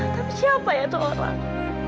tapi siapa ya itu orang